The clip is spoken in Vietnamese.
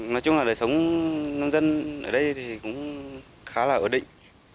nói chung là đời sống nông dân ở đây thì cũng khá là ổn định